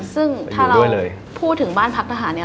ซึ่งถ้าเราพูดถึงบ้านพักทหารเนี่ย